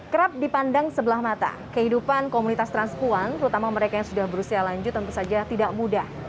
kerap dipandang sebelah mata kehidupan komunitas transpuan terutama mereka yang sudah berusia lanjut tentu saja tidak mudah